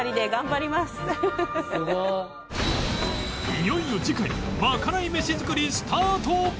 いよいよ次回まかない飯作りスタート！